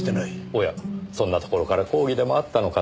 おやそんなところから抗議でもあったのかと。